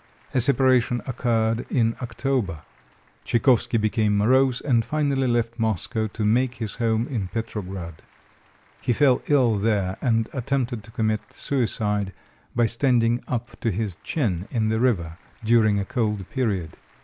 A separation occurred in October. Tchaikovsky became morose, and finally left Moscow to make his home in Petrograd. He fell ill there and attempted to commit suicide by standing up to his chin in the river during a cold period.